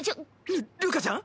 るるかちゃん？